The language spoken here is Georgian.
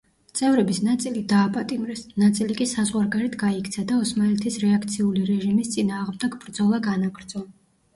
წევრების ნაწილი დააპატიმრეს, ნაწილი კი საზღვარგარეთ გაიქცა და ოსმალეთის რეაქციული რეჟიმის წინააღმდეგ ბრძოლა განაგრძო.